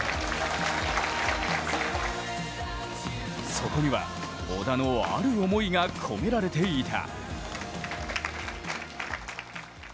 そこには、小田のある思いが込められていた。